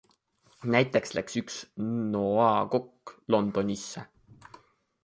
Näiteks läks üks NOA kokk Londonisse.